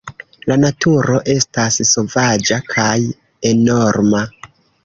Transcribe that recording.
La naturo estas sovaĝa kaj enorma.